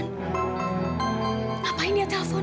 ngapain dia telfon